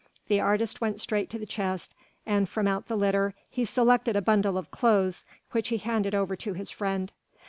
The artist went straight up to the chest and from out the litter he selected a bundle of clothes which he handed over to his friend.